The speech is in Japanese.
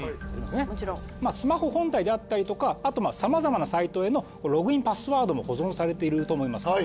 スマホ本体であったりとかさまざまなサイトへのログインパスワードも保存されていると思います。